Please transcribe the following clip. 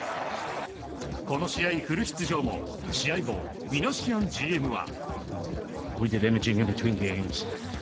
この試合フル出場も試合後、ミナシアンＧＭは。